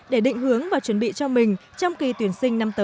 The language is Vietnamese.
để định hướng và chuẩn bị cho mình trong kỳ tuyển sinh năm tới